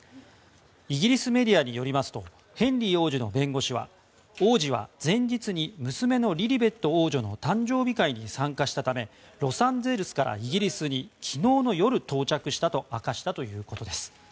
イギリスメディアによりますとヘンリー王子の弁護士は王子は前日に娘のリリベット王女の誕生日会に参加したためロサンゼルスからイギリスに昨日の夜、到着したと明かしたということです。